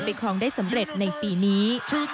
ครองได้สำเร็จในปีนี้